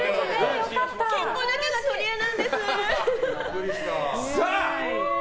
健康だけが取り柄なんです。